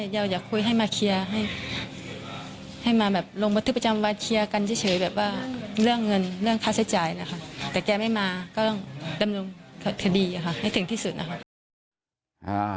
อยากคุยให้มาเคลียร์ให้มาแบบลงบันทึกประจำวันเคลียร์กันเฉยแบบว่าเรื่องเงินเรื่องค่าใช้จ่ายนะคะแต่แกไม่มาก็ต้องดำเนินคดีค่ะให้ถึงที่สุดนะคะ